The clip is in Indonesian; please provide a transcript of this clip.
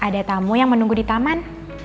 ada tamu yang menunggu di taman